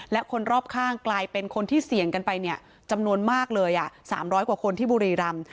และคนรอบข้างกลายเป็นคนที่เสี่ยงกันไปเนี่ยจำนวนมากเลย๓๐๐กว่าคนที่บุรีรำ